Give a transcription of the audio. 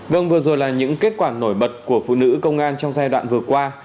vâng vừa rồi là những kết quả nổi bật của phụ nữ công an trong giai đoạn vừa qua